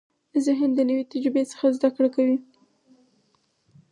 ذهن د نوې تجربې څخه زده کړه کوي.